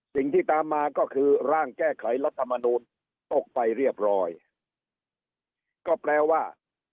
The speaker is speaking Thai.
สิ่งที่ตามมาก็คือร่างแก้ไขรัฐมนูลตกไปเรียบร้อยก็แปลว่า